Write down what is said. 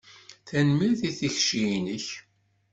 Tanemmirt i tikci-inek.